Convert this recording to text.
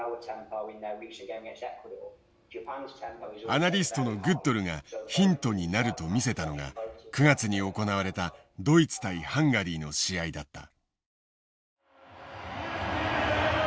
アナリストのグッドルがヒントになると見せたのが９月に行われたドイツ対ハンガリーの試合だった。